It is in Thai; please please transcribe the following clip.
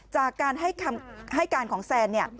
จากการให้การของแซน